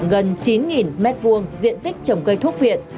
gần chín m hai diện tích trồng cây thuốc viện